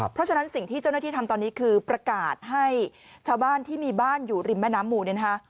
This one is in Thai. เพราะฉะนั้นสิ่งที่เจ้าหน้าที่ทำตอนนี้คือประกาศให้ชาวบ้านที่มีบ้านอยู่ริมแม่น้ำหมู่เนี่ยนะคะ